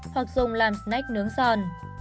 hoặc dùng làm snack nướng giòn